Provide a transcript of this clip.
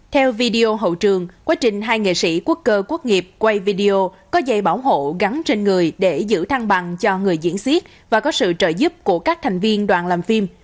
theo video hậu trường quá trình hai nghệ sĩ quốc cơ quốc nghiệp quay video có dây bảo hộ gắn trên người để giữ thăng bằng cho người diễn xiết và có sự trợ giúp của các thành viên đoàn làm phim